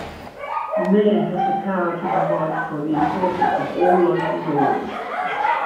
The Mayor has the power to provide for the enforcement of all local laws.